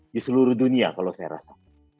di seluruh dunia kalau saya rasa